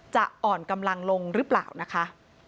อ่อนกำลังลงหรือเปล่านะคะ